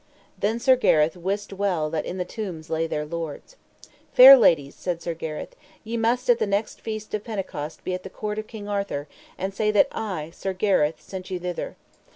Then Sir Gareth wist well that in the tombs lay their lords. Fair ladies, said Sir Gareth, ye must at the next feast of Pentecost be at the court of King Arthur, and say that I, Sir Gareth, sent you thither.